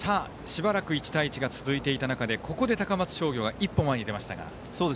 しばらく１対１が続いていた中でここで高松商業が一歩、前に出ました。